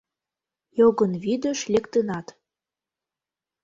Йогынвӱдыш лектынат.